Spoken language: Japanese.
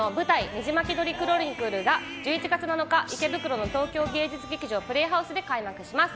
「ねじまき鳥クロニクル」が１１月７日に池袋の東京芸術劇場プレイハウスで開幕します。